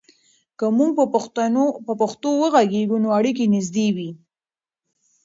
که موږ په پښتو وغږیږو، نو اړیکې نږدې وي.